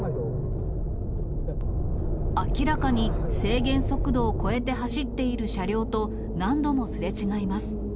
明らかに制限速度を超えて走っている車両と何度もすれ違います。